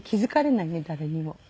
誰にも。